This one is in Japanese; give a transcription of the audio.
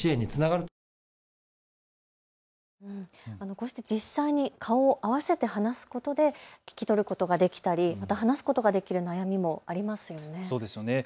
こうして実際に顔を合わせて話すことで聞き取ることができたり、話すことができる悩みもありますよね。